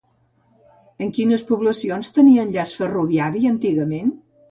Amb quines poblacions tenia enllaç ferroviari antigament?